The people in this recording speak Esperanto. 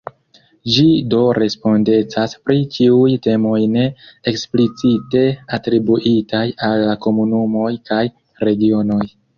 Ĝi do respondecas pri ĉiuj temoj ne eksplicite atribuitaj al la komunumoj kaj regionoj.